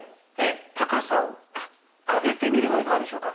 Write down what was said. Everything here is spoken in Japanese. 高さを上げてみるのはいかがでしょうか。